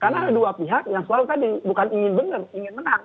karena ada dua pihak yang suaranya tadi bukan ingin menang